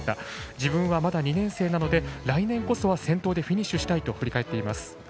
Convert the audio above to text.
自分はまだ２年生なので来年こそは先頭でフィニッシュしたいと振り返っています。